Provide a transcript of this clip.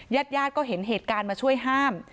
ญาติญาติก็เห็นเหตุการณ์มาช่วยห้าม